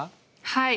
はい。